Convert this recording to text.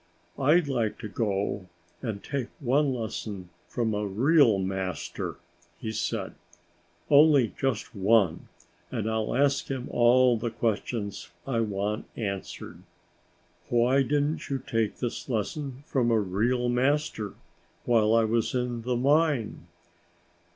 "I'd like to go and take one lesson from a real master," he said, "only just one, and I'll ask him all the questions that I want answered." "Why didn't you take this lesson from a real master while I was in the mine?"